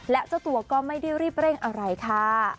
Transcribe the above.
และเจ้าตัวก็ไม่ได้รีบเร่งอะไรค่ะ